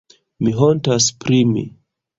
Mi hontas pri mi.